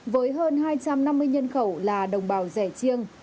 với hơn hai trăm năm mươi nhân khẩu là đồng bào rẻ chiêng